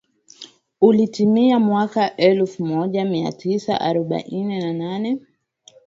ulitimia mwaka elfu moja mia tisa arobaini na nane